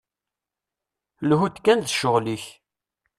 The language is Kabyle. Lhu-d kan d ccɣel-ik!